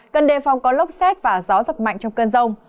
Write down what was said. cần đề phòng có lốc xét và gió giật mạnh trong cơn rông